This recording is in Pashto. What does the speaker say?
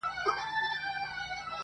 له کارګه سره پنیر یې ولیدله!.